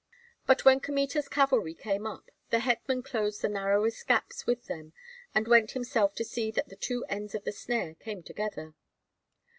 But when Kmita's cavalry came up, the hetman closed the narrowest gaps with them, and went himself to see that the two ends of the snare came together.